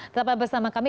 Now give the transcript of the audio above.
tetap bersama kami